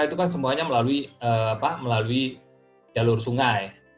itu kan semuanya melalui jalur sungai